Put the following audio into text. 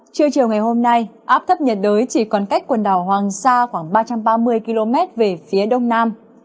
trưa chiều ngày hôm nay áp thấp nhiệt đới chỉ còn cách quần đảo hoàng sa khoảng ba trăm ba mươi km về phía đông nam